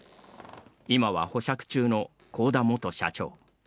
今は保釈中の幸田元社長。